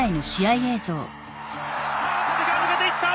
さあ立川抜けていった！